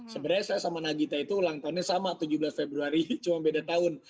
sebenarnya saya sama nagita itu ulang tahunnya sama tujuh belas februari cuma beda tahun